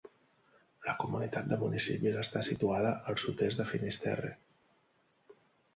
La comunitat de municipis està situada al sud-est del Finisterre.